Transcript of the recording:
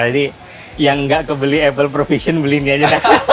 jadi yang nggak kebeli apple provision beli ini aja